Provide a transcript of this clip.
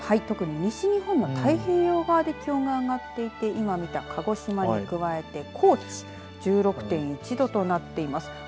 特に西日本の太平洋側で気温が上がっていて今見た鹿児島に加えて高知１６．１度となっています。